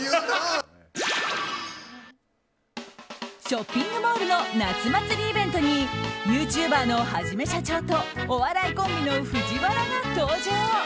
ショッピングモールの夏祭りイベントにユーチューバーのはじめしゃちょーとお笑いコンビのＦＵＪＩＷＡＲＡが登場。